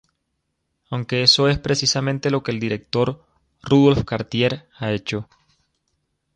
Aunque eso es precisamente lo que el director Rudolph Cartier ha hecho.